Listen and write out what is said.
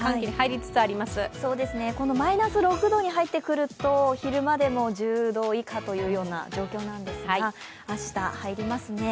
このマイナス６度に入ってくると昼間でも１０度以下というような状況なんですが、明日、入りますね。